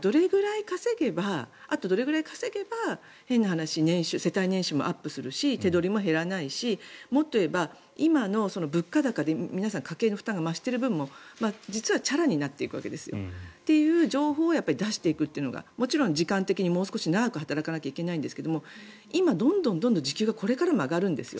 じゃあ、あとどれくらい稼げば変な話、世帯年収もアップするし手取りも減らないしもっと言えば、今の物価高で皆さん家計の負担が増している部分も実はチャラになっていくわけですよ。っていう情報を出していくっていうのがもちろん時間的にもう少し長く働かないといけないんですが今、どんどん時給がこれからも上がるんですよ。